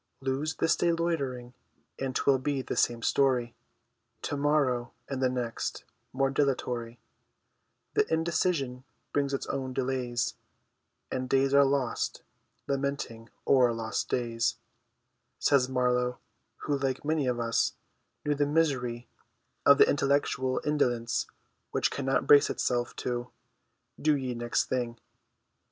"Lose this day loitering, and 'twill be the same story To morrow ; and the next, more dilatory : The indecision brings its own delays, And days are lost, lamenting o'er lost days," says Marlowe, who, like many of us, knew the misery of the intellectual indolence which cannot brace itself to "po ge next tljinge."